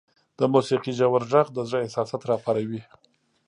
• د موسیقۍ ژور ږغ د زړه احساسات راپاروي.